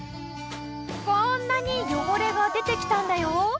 こんなに汚れが出てきたんだよ。